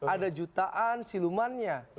ada jutaan silumannya